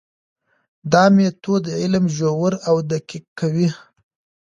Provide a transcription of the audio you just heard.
دا مېتود علم ژور او دقیق کوي.